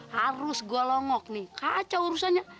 harus gua longok nih kacau urusannya